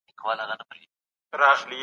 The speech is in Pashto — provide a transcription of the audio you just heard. سياسي کشمکشونه بايد د خبرو له لاري حل سي.